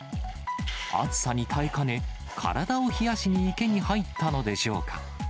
暑さに耐えかね、体を冷やしに池に入ったのでしょうか。